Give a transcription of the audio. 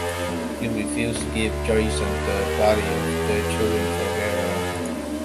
She refuses to give Jason the bodies of their children for burial.